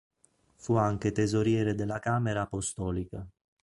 Fu anche tesoriere della Camera apostolica.